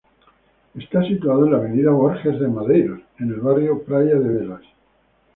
Está situado en la avenida Borges de Medeiros, en el barrio Praia de Belas.